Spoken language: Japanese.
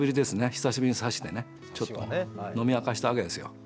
久しぶりに、さしでね、ちょっと飲み明かしたわけですよ。